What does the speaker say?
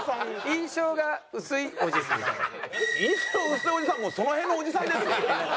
印象が薄いおじさんもうその辺のおじさんですよ。